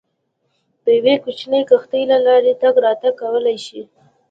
د یوې کوچنۍ کښتۍ له لارې تګ راتګ کولای شي.